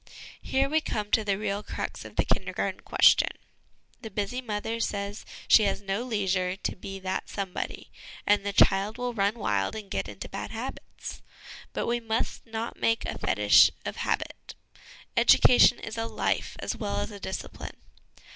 Here we come to the real crux of the Kindergarten question. The busy mother says she has no leisure to be that somebody, and the child will run wild and get into bad habits ; but we must not make a fetish of habit ; education is a life as well as a discipline.